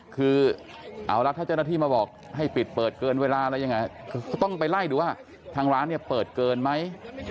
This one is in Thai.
คือเอาละถ้าเจ้าหน้าที่มาบอกให้ปิดเปิดเกินเวลาอะไรยังไงก็ต้องไปไล่ดูว่าทางร้านเนี่ยเปิดเกินไหม